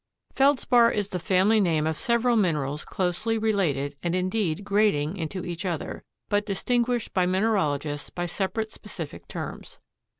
Feldspar is the family name of several minerals closely related and indeed grading into each other, but distinguished by mineralogists by separate specific terms.